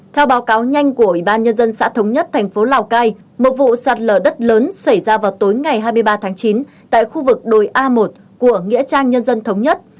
theo báo cáo nhanh của ủy ban nhân dân xã thống nhất thành phố lào cai một vụ sạt lở đất lớn xảy ra vào tối ngày hai mươi ba tháng chín tại khu vực đồi a một của nghĩa trang nhân dân thống nhất